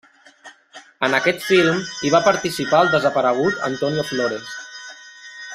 En aquest film hi va participar el desaparegut Antonio Flores.